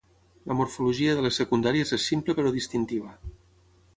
La morfologia de les secundàries és simple però distintiva.